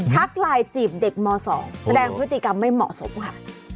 ทักไลน์จีบเด็กม๒แสดงพฤติกรรมไม่เหมาะสมค่ะ